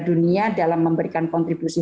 dunia dalam memberikan kontribusi